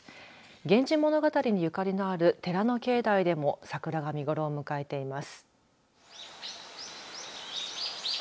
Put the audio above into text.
源氏物語にゆかりにある寺の境内でも桜が見頃を迎えています。